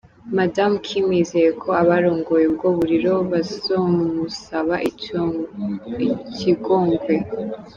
Madamu Kim yizeye ko abarongoye ubwo buriro bazomusaba ikigongwe.